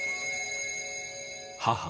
「母」